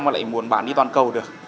mà lại muốn bán đi toàn cầu được